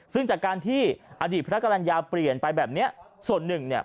ซึ่งจากการที่อดีตพระกรรณญาเปลี่ยนไปแบบเนี้ยส่วนหนึ่งเนี่ย